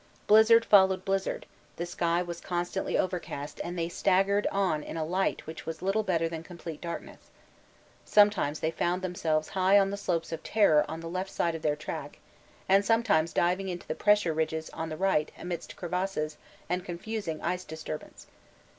Blizzard followed blizzard, the sky was constantly overcast and they staggered on in a light which was little better than complete darkness; sometimes they found themselves high on the slopes of Terror on the left of their track, and sometimes diving into the pressure ridges on the right amidst crevasses and confused ice disturbance.